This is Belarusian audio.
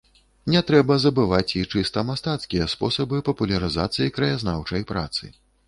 Не трэба забываць і чыста мастацкія спосабы папулярызацыі краязнаўчай працы.